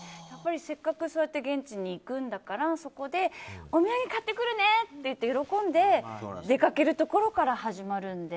せっかく現地に行くんだからそこでお土産買ってくるねって喜んで出かけるところから始まるので。